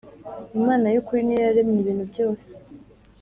Imana y’ukuri ni yo yaremye ibintu byose